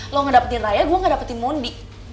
lo ngedapetin raya gue ngedapetin mundi